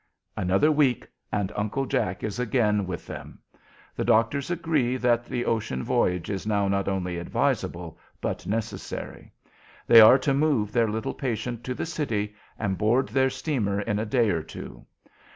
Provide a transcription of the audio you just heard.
Another week, and Uncle Jack is again with them. The doctors agree that the ocean voyage is now not only advisable, but necessary. They are to move their little patient to the city and board their steamer in a day or two.